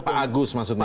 pak agus maksudnya